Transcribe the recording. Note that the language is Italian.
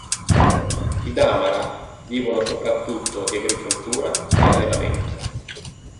I Damara vivono soprattutto di agricoltura e allevamento.